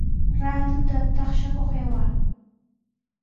Ratayta taqshakuq aywaa.